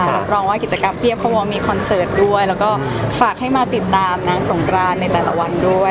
รับรองว่ากิจกรรมเพียบเขาบอกว่ามีคอนเสิร์ตด้วยแล้วก็ฝากให้มาติดตามนางสงกรานในแต่ละวันด้วย